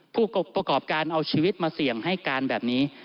ผู้ประกอบการเอาชีวิตมาเสี่ยงให้การแบบนี้